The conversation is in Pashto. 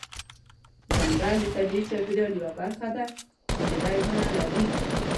ځنګل د طبیعي چاپیریال یوه برخه ده چې ډیری ونه لري.